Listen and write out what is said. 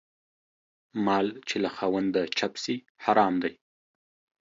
مال چې له خاونده چپ سي حرام دى.